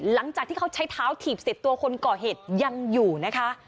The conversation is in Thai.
หลังจากที่เขาใช้เท้าถีบเสร็จตัวคนก่อเหตุยังอยู่นะคะ